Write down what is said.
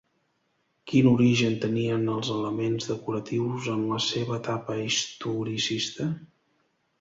Quin origen tenien els elements decoratius en la seva etapa historicista?